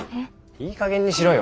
いいかげんにしろよ。